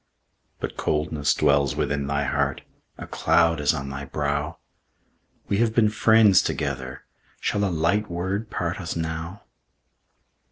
But coldness dwells within thy heart, A cloud is on thy brow; We have been friends together, Shall a light word part us now?